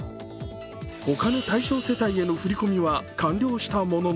ほかの対象世帯への振り込みは完了したものの